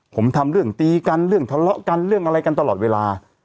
ผมทำเรื่องตีกันเรื่องทะเลาะกันเรื่องอะไรกันตลอดเวลา